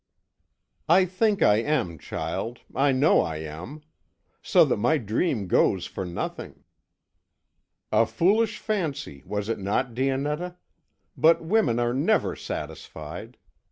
"I think I am, child; I know I am. So that my dream goes for nothing. A foolish fancy, was it not, Dionetta? but women are never satisfied.